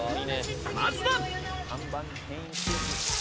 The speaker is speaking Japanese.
まずは。